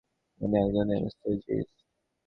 উনি একজন এনেস্থেসিওলজিস্ট!